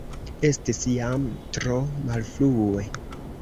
Estis jam tro malfrue.